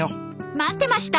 待ってました！